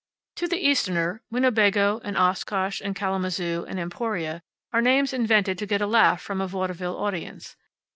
To the Easterner, Winnebago, and Oshkosh, and Kalamazoo, and Emporia are names invented to get a laugh from a vaudeville audience.